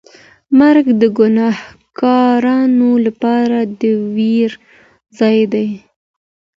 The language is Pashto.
مرګ د ګناهکارانو لپاره د وېرې ځای دی.